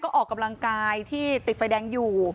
ออกกำลังกายที่ติดไฟแดงอยู่